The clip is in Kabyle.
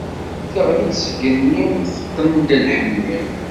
Teɣli-d seg igenni, teqqen-d lḥenni.